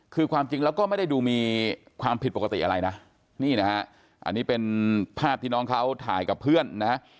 คือความจริงแล้วก็ไม่ได้ดูมีความผิดปกติอะไรนะนี่นะฮะอันนี้เป็นภาพที่น้องเขาถ่ายกับเพื่อนนะฮะ